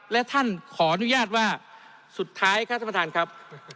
และท่านขออนุญาตว่าสุดท้ายครับท่านประธานครับ